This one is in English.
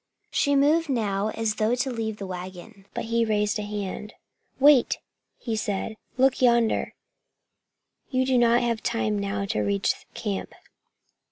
She moved now as though to leave the wagon, but he raised a hand. "Wait!" said he. "Look yonder! You'd not have time now to reach camp."